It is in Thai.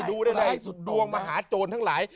ไปดูได้ดวงมหาโจรทั้งหลาย